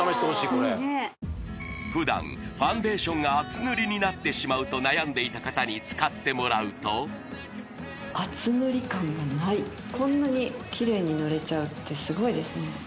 これねっ普段ファンデーションが厚塗りになってしまうと悩んでいた方に使ってもらうとこんなにキレイに塗れちゃうってすごいですね